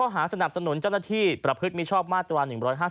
หาสนับสนุนเจ้าหน้าที่ประพฤติมิชอบมาตรา๑๕๒